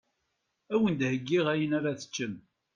Awen-d heggiɣ ayen ad teččem.